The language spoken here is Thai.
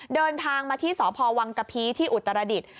เดินทางมาที่สพวังกะพีที่อุตรดิษฐ์